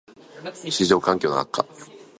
① 市場環境の悪化